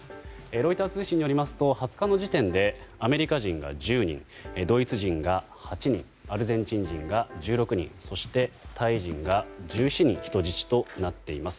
ロイター通信によりますと２０日時点でアメリカ人が１０人ドイツ人が８人アルゼンチン人が１６人そして、タイ人が１７人人質となっています。